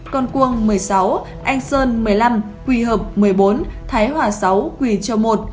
con cuông một mươi sáu anh sơn một mươi năm quỳ hợp một mươi bốn thái hòa sáu quỳ châu i